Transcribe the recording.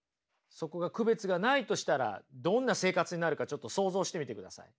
そこが区別がないとしたらどんな生活になるかちょっと想像してみてください。